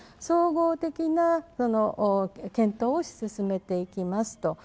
総合的な検討を進めていきますと。